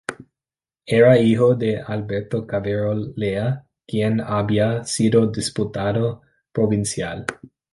Era hijo de Alberto Cavero Lea, quien había sido diputado provincial.